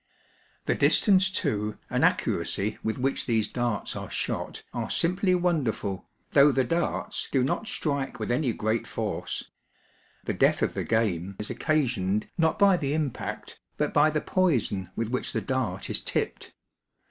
The distance to and accuracy with which these darts are shot are simply wonderfril, though the darts do not strike with any great force The death of the game is occasioned, not by the impact, but by the poison with which the dart is tipped.